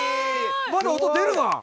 まだ音出るわ！